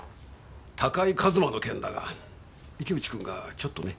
高井和馬の件だが池内君がちょっとね。